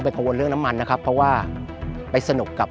กังวลเรื่องน้ำมันนะครับเพราะว่าไปสนุกกับ